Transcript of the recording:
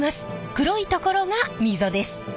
黒い所が溝です。